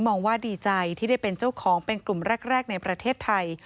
มองว่าดีใจที่ได้เป็นเจ้าของเป็นกลุ่มแรกในประเทศไทย